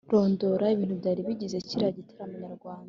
rondora ibintu byari bigize kiriya gitaramo nyarwanda.